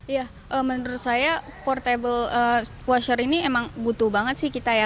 ya menurut saya portable quesher ini emang butuh banget sih kita ya